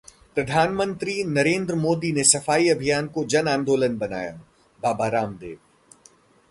प्रधानमंत्री नरेंद्र मोदी ने सफाई अभियान को जन आंदोलन बनायाः बाबा रामदेव